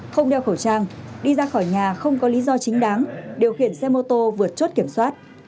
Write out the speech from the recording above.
không đeo khẩu trang đi ra khỏi nhà không có lý do chính đáng điều khiển xe mô tô vượt chốt kiểm soát